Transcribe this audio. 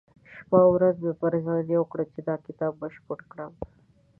شپه او ورځ مې پر ځان يوه کړه چې دا کتاب بشپړ کړم.